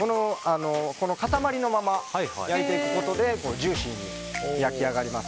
塊のまま焼いていくことでジューシーに焼き上がります。